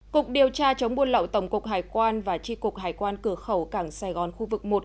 cục điều tra chống buôn lậu tổng cục hải quan và tri cục hải quan cửa khẩu cảng sài gòn khu vực một